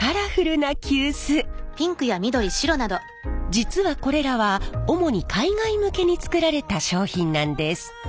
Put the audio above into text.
実はこれらは主に海外向けに作られた商品なんです。